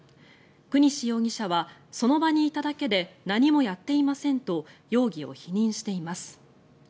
國司容疑者はその場にいただけで何もやっていませんと容疑を否認しています。